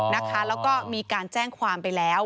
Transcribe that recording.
แล้วก็มีการแจ้งความไปแล้ว